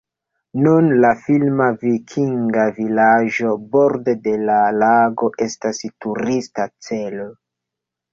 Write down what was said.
Nun la filma vikinga vilaĝo borde de la lago estas turista celo.